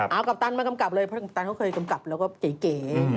เอากัปตันมากำกับเลยเพราะกัปตันเขาเคยกำกับแล้วก็เก๋